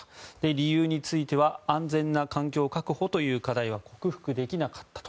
理由については安全な環境確保という課題が克服できなかったと。